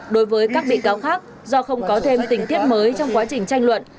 đối với các bị cáo khác do không có thêm tình tiết mới trong quá trình tranh luận